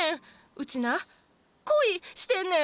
ウチな恋してんねん。